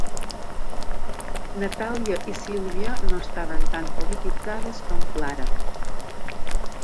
Natalia i Sílvia no estaven tan polititzades com Clara.